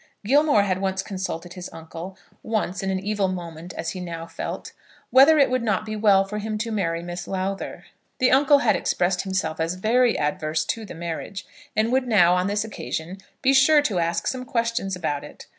Gilmore had once consulted his uncle, once in an evil moment, as he now felt, whether it would not be well for him to marry Miss Lowther. The uncle had expressed himself as very adverse to the marriage, and would now, on this occasion, be sure to ask some question about it.